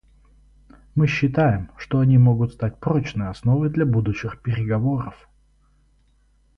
Мы считаем, что они могут стать прочной основой для будущих переговоров.